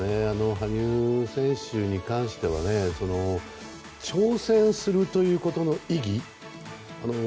羽生選手に関しては挑戦するということの意義。